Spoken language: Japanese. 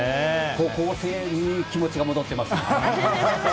高校生に気持ちが戻ってます。